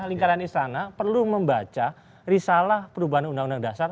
lingkaran istana perlu membaca risalah perubahan undang undang dasar